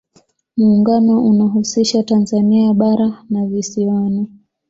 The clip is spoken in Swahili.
muungano unahusisha tanzania bara na visiwani